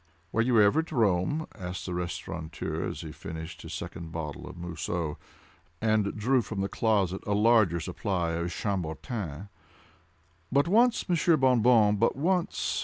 "Were you ever at Rome?" asked the restaurateur, as he finished his second bottle of Mousseux, and drew from the closet a larger supply of Chambertin. "But once, Monsieur Bon Bon, but once.